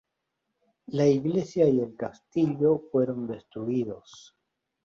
La iglesia y el castillo fueron destruidos.